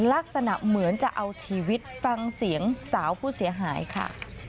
ลักษณะเหมือนจะเอาชีวิตฟังเสียงสาวผู้เสียหายค่ะ